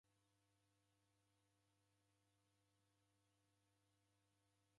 Kila ituku warabonya misarigho yape uekeri.